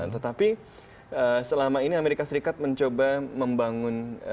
tetapi selama ini amerika serikat mencoba membangun